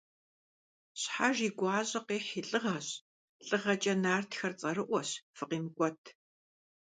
Щхьэж и гуащӀэ къихь и лӀыгъэщ, лӀыгъэкӀэ нартхэр цӀэрыӀуэщ, фыкъимыкӀуэт!